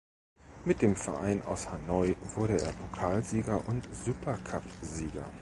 Mit dem Verein aus Hanoi wurde er Pokalsieger und Supercupsieger.